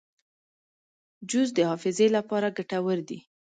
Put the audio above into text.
جوز د حافظې لپاره ګټور دي.